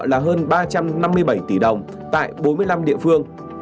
tổng kinh phí là hơn ba trăm năm mươi bảy tỷ đồng tại bốn mươi năm địa phương